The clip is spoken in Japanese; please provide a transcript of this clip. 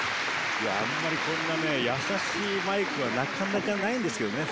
あんまりこんな優しいマイクはないですけどね